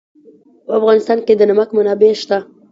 په افغانستان کې د نمک منابع شته.